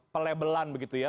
pelebelan begitu ya